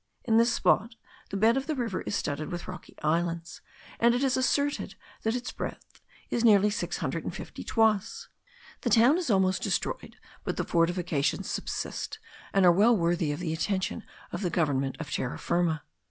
In this spot the bed of the river is studded with rocky islands; and it is asserted that its breadth is nearly six hundred and fifty toises. The town is almost destroyed, but the fortifications subsist, and are well worthy the attention of the government of Terra Firma.